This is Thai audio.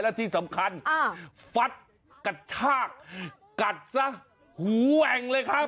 และที่สำคัญฟัดกระชากกัดซะหูแหว่งเลยครับ